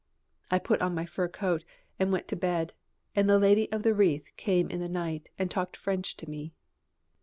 I put on my fur coat and went to bed, and the lady of the wreath came in the night and talked French to me.